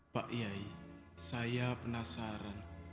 pak yayi saya penasaran